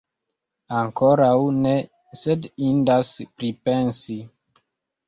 Ankoraŭ ne, sed indas pripensi!